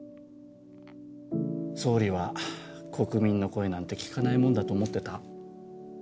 総理は国民の声なんて聴かないもんだと思ってた？